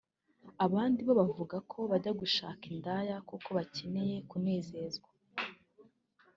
Abandi bo bavuga ko bajya gushaka indaya kuko bakeneye kunezerwa